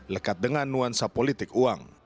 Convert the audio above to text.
lekat dengan nuansa politik uang